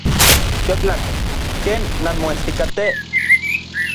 Teotlak. ¿Ken nanmoestikatej?